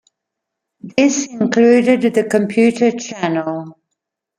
This included The Computer Channel.